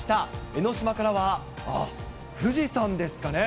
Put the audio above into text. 江の島からは、あっ、富士山ですかね。